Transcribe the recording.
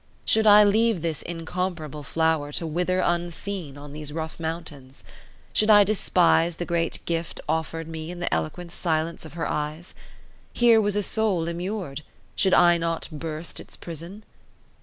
Should I leave this incomparable flower to wither unseen on these rough mountains? Should I despise the great gift offered me in the eloquent silence of her eyes? Here was a soul immured; should I not burst its prison?